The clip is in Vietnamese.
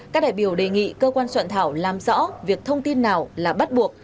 các đại biểu đề nghị cơ quan soạn thảo làm rõ việc thông tin nào là bắt buộc